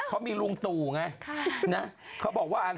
เขามีลุงตู่ไงนะเขาบอกว่าเขาก็หย่อเอิญ